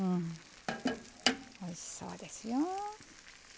おいしそうですよ。